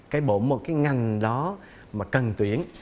cái bộ một cái ngành đó mà cần tuyển